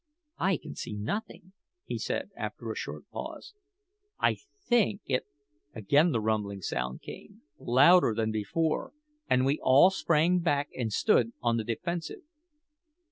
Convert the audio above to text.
"I can see nothing," he said after a short pause. "I think it " Again the rumbling sound came, louder than before, and we all sprang back and stood on the defensive.